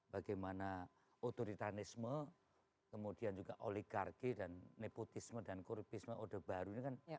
bagaimana otoritanisme kemudian juga oligarki dan nepotisme dan koripisme orde baru ini kan